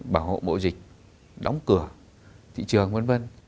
bảo hộ bộ dịch đóng cửa thị trường vân vân